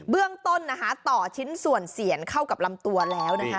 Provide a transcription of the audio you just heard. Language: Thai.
เรื่องต้นนะคะต่อชิ้นส่วนเสียนเข้ากับลำตัวแล้วนะคะ